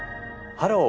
「ハロー！